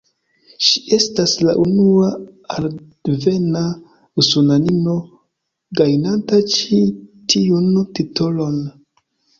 Ŝi estas la unua arabdevena usonanino, gajnanta ĉi tiun titolon.